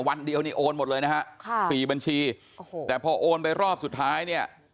วันเดียวนี่โอนหมดเลยนะฮะค่ะสี่บัญชีโอ้โหแต่พอโอนไปรอบสุดท้ายเนี่ย